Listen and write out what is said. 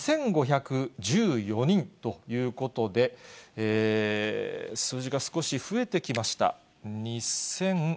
２５１４人ということで、数字が少し増えてきました。